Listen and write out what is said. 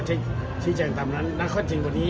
ที่ชี้แจงตำนานยังตามข้อจริงพอดี